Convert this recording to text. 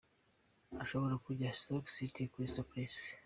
Ashobora kuja: Stoke City, Crystal Palace.